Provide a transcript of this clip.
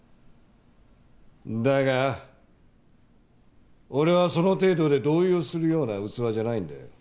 だが俺はその程度で動揺するような器じゃないんだよ。